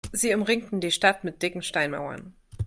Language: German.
Sie umringten die Stadt mit dicken Steinmauern.